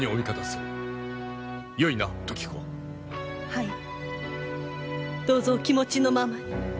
はいどうぞお気持ちのままに。